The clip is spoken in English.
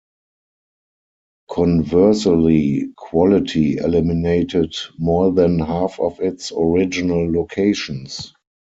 Conversely, Quality eliminated more than half of its original locations.